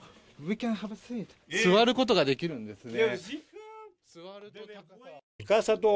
座ることができるんですね。